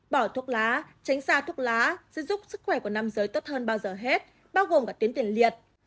bỏ thuốc lá tránh xa thuốc lá sẽ giúp sức khỏe của nam giới tốt hơn bao giờ hết bao gồm cả tiến tiền liệt